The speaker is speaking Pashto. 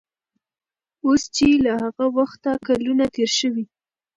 اوس چې له هغه وخته کلونه تېر شوي